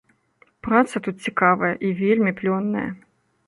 Праца тут цікавая і вельмі плённая.